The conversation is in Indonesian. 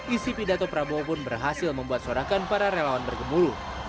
isi pidato prabowo pun berhasil membuat sorakan para relawan bergemuruh